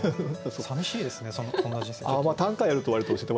さみしいですねこんな人生。